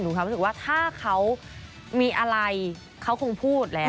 ความรู้สึกว่าถ้าเขามีอะไรเขาคงพูดแล้ว